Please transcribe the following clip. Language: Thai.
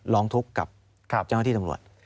ร้องทุกข์กับเจ้าหน้าที่ตำรวจ